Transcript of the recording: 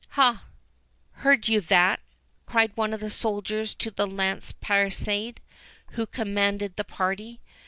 "Ha, heard you that?" cried one of the soldiers to the lance prisade, who commanded the party.